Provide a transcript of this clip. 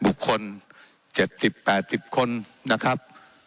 บุคคลเจ็ดสิบแปดสิบคนนะครับ